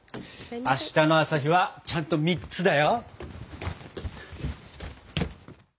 明日の朝日はちゃんと３つだよ。